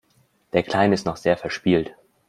Der Kleine ist noch sehr verspielt.